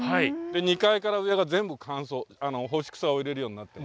２階から上が全部乾燥干し草を入れるようになっています。